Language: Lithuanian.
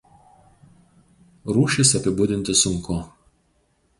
Rūšis apibūdinti sunku.